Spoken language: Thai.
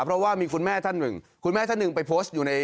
เพราะว่ามีคุณแม่ท่านหนึ่งคุณแม่ท่านหนึ่งไปโพสต์อยู่ใน